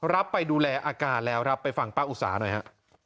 รับไปดูแลอาการแล้วครับไปฟังป้าอุตสาหน่อยฮะ